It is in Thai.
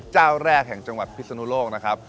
เจ้าแรกแห่งจังหวัดพิศนุโลกนะครับ